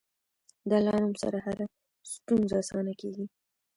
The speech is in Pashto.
د الله نوم سره هره ستونزه اسانه کېږي.